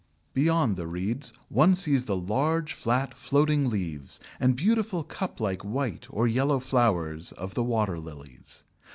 ] Beyond the reeds, one sees the large flat, floating leaves and beautiful cup like white or yellow flowers of the Water lilies.